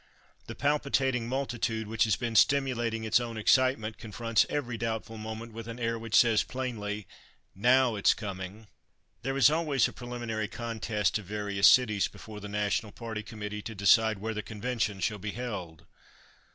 The palpitating multitude, which has been stimulating its own excitement, confronts every doubtful moment with an air which says plainly, "Now it's coming." There is always a preliminary contest of various cities before the national party committee to decide where the convention shall be held.